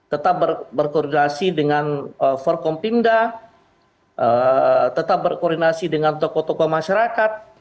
tetap berkoordinasi dengan forkompimda tetap berkoordinasi dengan tokoh tokoh masyarakat